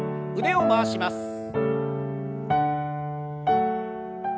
腕を回します。